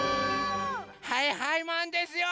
はいはいマンですよ！